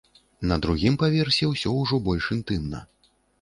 На другім паверсе ўсё ўжо больш інтымна.